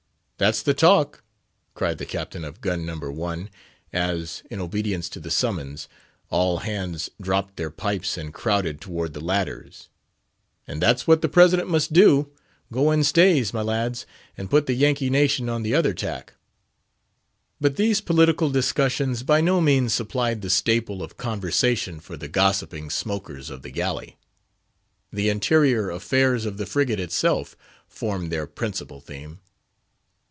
"That's the talk!" cried the captain of gun No. 1, as, in obedience to the summons, all hands dropped their pipes and crowded toward the ladders, "and that's what the President must do—go in stays, my lads, and put the Yankee nation on the other tack." But these political discussions by no means supplied the staple of conversation for the gossiping smokers of the galley. The interior affairs of the frigate itself formed their principal theme.